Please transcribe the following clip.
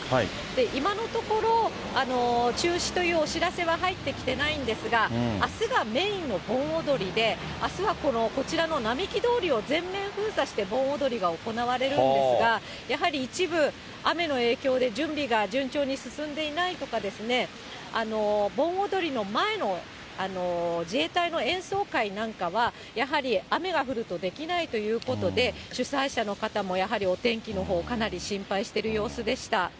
今のところ、中止というお知らせは入ってきてないんですが、あすがメインの盆踊りで、あすはこちらの並木通りを全面封鎖して盆踊りが行われるんですが、やはり一部、雨の影響で準備が順調に進んでいないとかですね、盆踊りの前の自衛隊の演奏会なんかは、やはり雨が降るとできないということで、主催者の方もやはりお天気のほう、かなり心配してる様子でした。